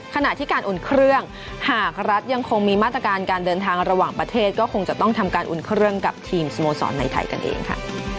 การการเดินทางระหว่างประเทศก็คงจะต้องลงทำการผสมกันกับทีมสโมซอลในไทยกันเองค่ะ